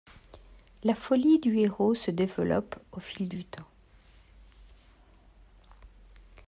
La folie du héros se développe au fil du temps.